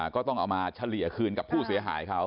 ก็ต้องเอามาเฉลี่ยคืนกับผู้เสียหายเขา